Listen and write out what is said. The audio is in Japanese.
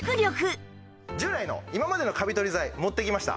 従来の今までのカビ取り剤持ってきました。